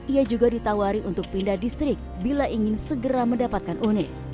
ia juga ditawari untuk pindah distrik bila ingin segera mendapatkan une